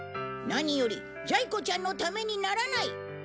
何よりジャイ子ちゃんのためにならない。